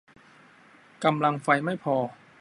กำลังไฟไม่พอ